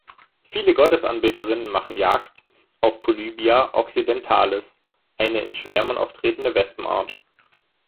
Viele Gottesanbeterinnen machen Jagd auf „Polybia occidentalis“, eine in Schwärmen auftretende Wespenart.